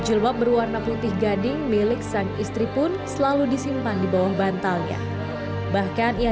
jilbab berwarna putih gading milik sang istri pun selalu disimpan di bawah bantalnya bahkan ia